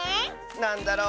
なんだろう？